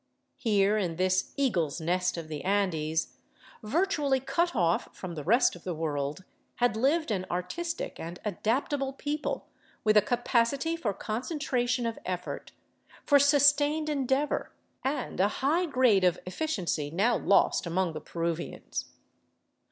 Here in this eagle's nest of the Andes, virtually cut off from the rest of the world, had lived an artistic and adaptable people with a capacity for concentration of effort, for sustained en deavor, and a high grade of efficiency now lost among the Peruvians.